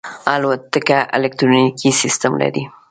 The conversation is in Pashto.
الوتکه الکترونیکي سیستم لري.